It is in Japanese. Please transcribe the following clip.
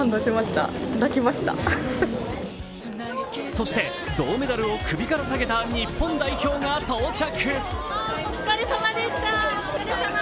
そして、銅メダルを首からさげた日本代表が到着。